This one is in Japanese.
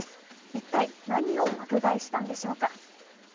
一体何を爆買いしたんでしょうか。